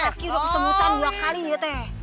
kaki udah kesemutan dua kali ya teh